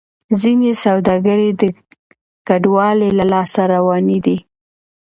ځینې سوداګرۍ د کډوالو له لاسه روانې دي.